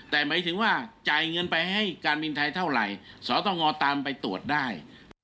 แต่หมายถึงว่าจ่ายเงินแบบไอ้กลางบินท้ายเท่าไรสะวะต้องงอตามไปตรวจได้